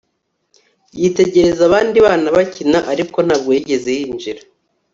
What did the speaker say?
yitegereza abandi bana bakina, ariko ntabwo yigeze yinjira